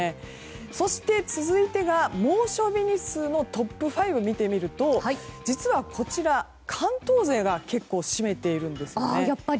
そして、続いてが猛暑日日数のトップ５を見てみると実はこちら、関東勢が結構、占めているんですよね。